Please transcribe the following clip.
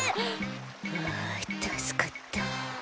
あたすかった。